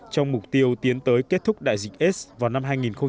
trong mục tiêu tiến tới kết thúc đại dịch aids vào năm hai nghìn ba mươi